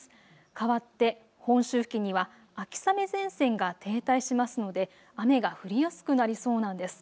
かわって本州付近には秋雨前線が停滞しますので雨が降りやすくなりそうなんです。